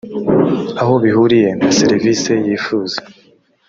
aho bihuriye na serivisi yifuza